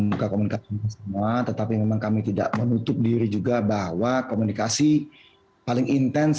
buka komunikasi semua tetapi memang kami tidak menutup diri juga bahwa komunikasi paling intens